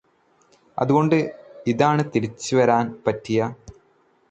അതുകൊണ്ട് ഇതാണ് തിരിച്ചുവരാന് പറ്റിയ